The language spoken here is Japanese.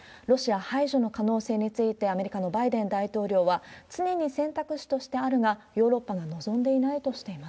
ロシア排除の可能性について、アメリカのバイデン大統領は、常に選択肢としてあるが、ヨーロッそうですね。